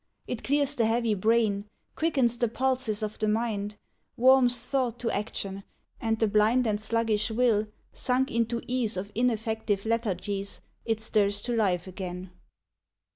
It clears the heavy brain, Quickens the pulses of the mind, Warms thought to action, and the blind And sluggish will sunk into ease Of ineffective lethargies It stirs to life again.